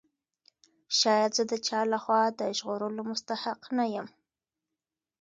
شاید زه د چا له خوا د ژغورلو مستحق نه یم.